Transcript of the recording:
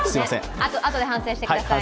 あとで反省してください。